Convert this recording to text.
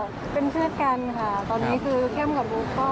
ก็เป็นเพื่อนกันค่ะตอนนี้คือเข้มกับลูกก็